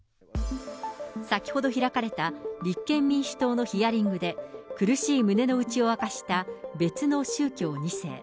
先ほど開かれた立憲民主党のヒアリングで、苦しい胸の内を明かした別の宗教２世。